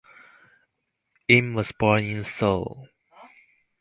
Im was born in Seoul.